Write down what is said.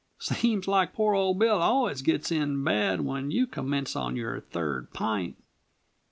"Seems like pore old Bill always gits in bad when you commence on your third pint.